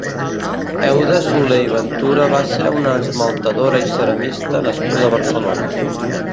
Euda Solé i Ventura va ser una esmaltadora i ceramista nascuda a Barcelona.